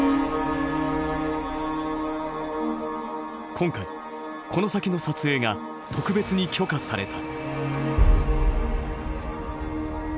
今回この先の撮影が特別に許可された。